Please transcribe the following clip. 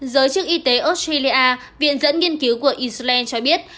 giới chức y tế australia viện dẫn nghiên cứu của israel cho biết